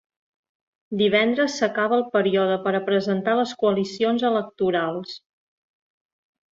Divendres s’acaba el període per a presentar les coalicions electorals.